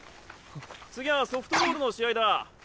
次はソフトボールの試合だ。